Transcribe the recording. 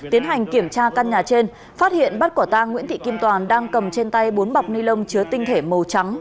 tiến hành kiểm tra căn nhà trên phát hiện bắt quả tang nguyễn thị kim toàn đang cầm trên tay bốn bọc ni lông chứa tinh thể màu trắng